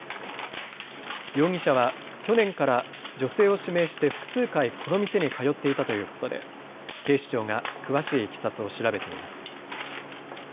容疑者は去年から女性を指名して複数回この店に通っていたということで警視庁が詳しいいきさつを調べています。